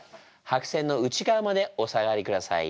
白線の内側までお下がりください。